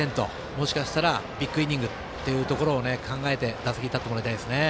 もしかしたらビッグイニングということを考えて打席に立ってもらいたいですね。